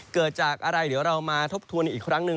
เกิดจากอะไรเดี๋ยวเรามาทบทวนอีกครั้งหนึ่ง